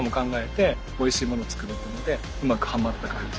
うまくはまった感じ。